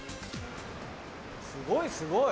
すごいすごい！